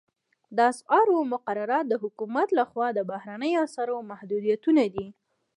د اسعارو مقررات د حکومت لخوا د بهرنیو اسعارو محدودیتونه دي